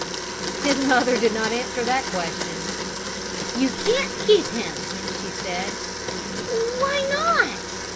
His mother did not answer that question. "You can't keep him," she said. "Why not?"